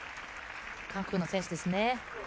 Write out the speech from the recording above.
韓国の選手ですね。